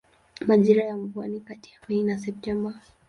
Majira ya mvua ni kati ya Mei na Septemba.